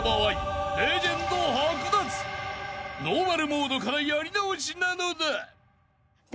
［ノーマルモードからやり直しなのだ］